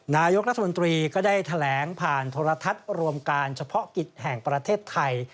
นายกรัฐมนตรีก็ได้แถลงผ่านโทรทัศน์รวมการเฉพาะกิจแห่งประเทศไทย